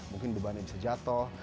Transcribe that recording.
mungkin bebannya bisa jatuh